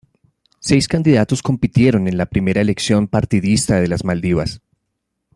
Seis candidatos compitieron en la primera elección partidista de las Maldivas.